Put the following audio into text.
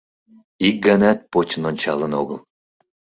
Ик ганат почын ончалын огыл.